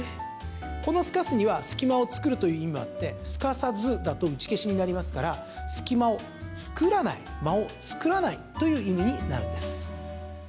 この透かすには隙間を作るという意味もあってすかさずだと打ち消しになりますから隙間を作らない、間を作らないという意味になるんです。